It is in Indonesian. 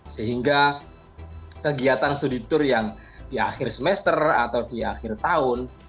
sehingga kegiatan studi tour yang di akhir semester atau di akhir tahun